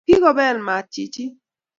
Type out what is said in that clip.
Kagobeel maat chichin